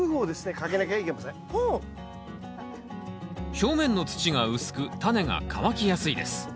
表面の土が薄くタネが乾きやすいです。